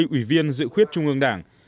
hai mươi ủy viên dự khuyết trung ương đảng